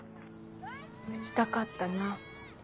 打ちたかったな。